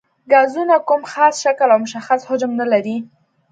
ګازونه کوم خاص شکل او مشخص حجم نه لري.